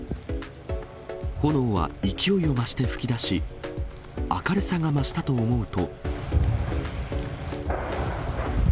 炎は勢いを増して噴き出し、明るさが増したと思うと。